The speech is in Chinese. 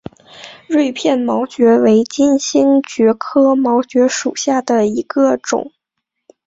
锐片毛蕨为金星蕨科毛蕨属下的一个种。